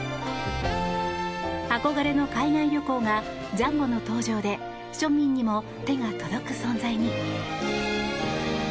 憧れの海外旅行がジャンボの登場で庶民にも手が届く存在に。